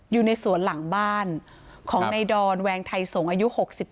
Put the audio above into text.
อยู่ในสวนหลังบ้านของนายดอนแวงไทยสงฆ์อายุ๖๒